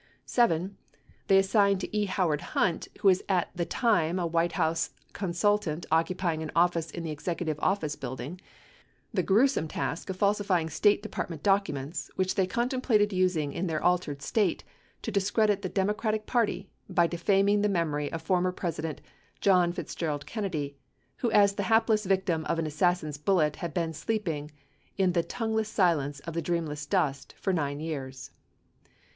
7. They assigned to E. Howard Hunt, who was at the time a White House consultant occupying an office in the Executive Office Building, the gruesome task of falsifying State Department documents which they contemplated using in their altered state to discredit the Demo cratic Party bv defaming the memory of former President John Fitz gerald Kennedy, who as the hapless victim of an assassin's bullet had been sleeping in the tongueless silence of the dreamless dust for 9 years.